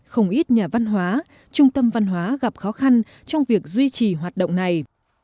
không ít nhà văn hóa trung tâm văn hóa gặp khó khăn trong việc duy trì hoạt động này